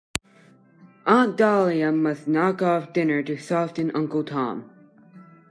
Aunt Dahlia must knock off dinner to soften Uncle Tom.